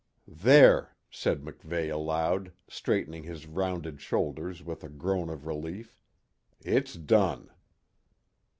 "There!" said MacVeigh aloud, straightening his rounded shoulders with a groan of relief. "It's done."